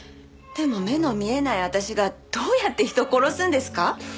でも目の見えない私がどうやって人を殺すんですか？